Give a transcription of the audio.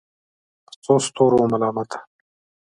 په څو ستورو ملامته